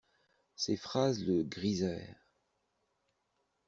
Ses phrases le grisèrent.